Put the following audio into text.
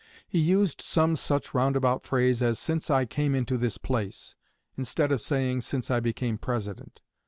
He used some such roundabout phrase as "since I came into this place," instead of saying "since I became President."